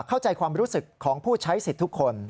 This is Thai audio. เข้าใจความรู้สึกของผู้ใช้สิทธิ์ทุกคน